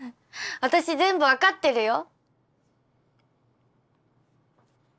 私全部分かってるよ。